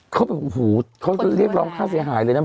เขาแบบโอ้โหเขาจะเรียกร้องค่าเสียหายเลยนะ